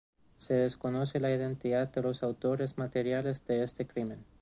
Se desconoce la identidad de los autores materiales de este crimen.